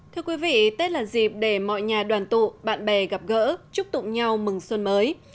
thưa quý vị tết là dịp để mọi nhà đoàn tụ bạn bè gặp gỡ chúc tụng nhau mừng xuân mới